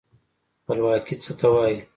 خپلواکي څه ته وايي؟